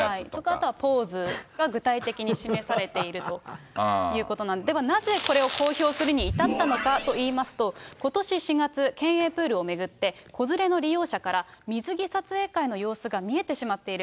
あとはポーズが具体的に示されているということなんで、ではなぜ、これを公表するに至ったのかといいますと、ことし４月、県営プールを巡って子連れの利用者から水着撮影会の様子が見えてしまっている。